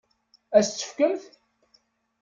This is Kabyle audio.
Ad as-tt-tefkemt?